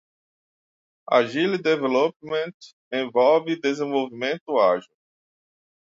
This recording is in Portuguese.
Agile Development envolve desenvolvimento ágil.